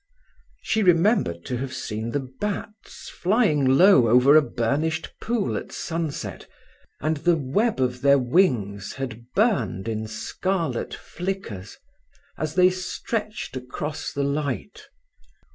She remembered to have seen the bats flying low over a burnished pool at sunset, and the web of their wings had burned in scarlet flickers, as they stretched across the light.